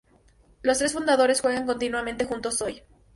Los tres fundadores juegan continuamente juntos hoy.